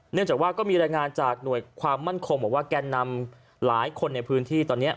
เนื่องจากว่าก็มีรายงานจากหน่วยความมั่นคงบอกว่าแกนนำหลายคนในพื้นที่ตอนนี้